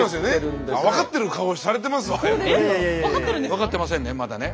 分かってませんねまだね。